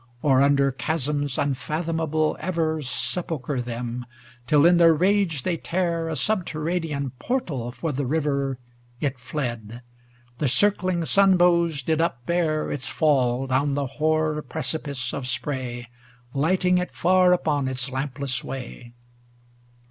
Or under chasms unfathomable ever Sepulchre them, till in their rage they tear A subterranean portal for the river, It fled ŌĆö the circling sunbows did upbear Its fall down the hoar precipice of spray. Lighting it far upon its lampless way.